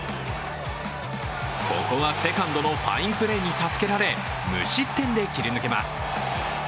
ここはセカンドのファインプレーに助けられ無失点で切り抜けます。